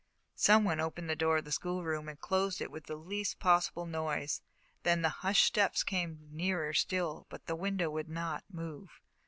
Some one opened the door of the schoolroom and closed it with the least possible noise. Then the hushed steps came nearer still, but the window would not move.